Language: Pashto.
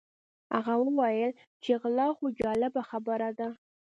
هغه وویل چې غلا خو جالبه خبره ده.